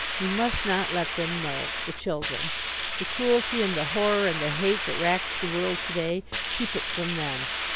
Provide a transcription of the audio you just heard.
You must not let them know the children. The cruelty and the horror and the hate that racks the world to day keep it from them.